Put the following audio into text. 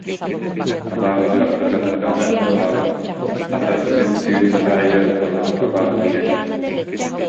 Абааһылара кыратык даҕаны намыраабат, хата күн-түүн аайы ордук абааһытыйан иһэр